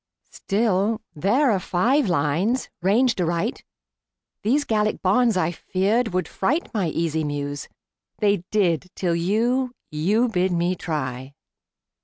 Still, there are five lines ranged aright. These Gallic bonds, I feared, would fright My easy Muse. They did, till you You bid me try!